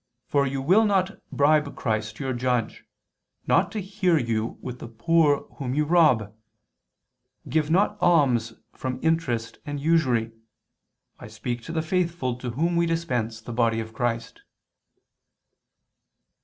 For you will not bribe Christ your judge, not to hear you with the poor whom you rob ... Give not alms from interest and usury: I speak to the faithful to whom we dispense the Body of Christ."